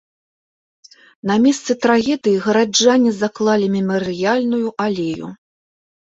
На месцы трагедыі гараджане заклалі мемарыяльную алею.